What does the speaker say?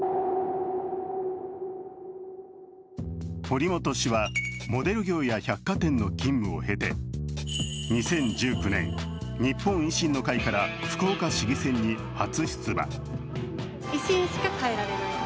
堀本氏はモデル業や百貨店の勤務を経て２０１９年、日本維新の会から福岡市議会に初出馬。